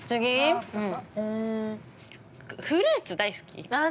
うーん、フルーツ大好き。